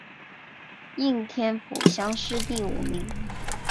应天府乡试第五名。